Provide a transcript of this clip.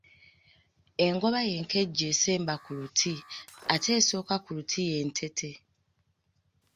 Engoba y’enkejje esemba ku luti, ate esooka ku luti y'entete.